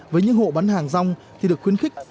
với những hộ bán hàng rong thì được khuyến khích